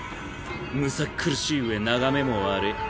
むさっ苦しいうえ眺めも悪い。